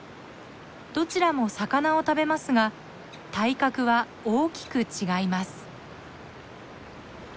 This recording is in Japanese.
どちらも魚を食べますが体格は大きく違います。